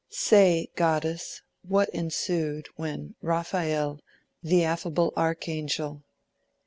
"Say, goddess, what ensued, when Raphael, The affable archangel